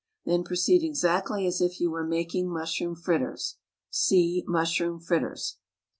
Then proceed exactly as if you were making mushroom fritters (see MUSHROOM FRITTERS).